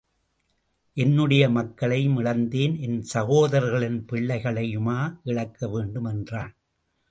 என்னுடைய மக்களையும் இழந்தேன் என் சகோதரர்களின் பிள்ளை களையுமா இழக்க வேண்டும்! என்றான்.